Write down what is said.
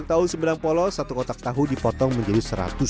untuk tahu sumedang polos satu kotak tahu dipotong menjadi seratus